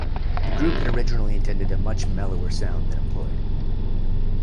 The group had originally intended a much mellower sound than employed.